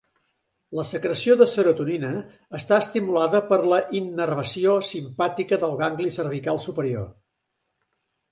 La secreció de serotonina està estimulada per la innervació simpàtica del gangli cervical superior.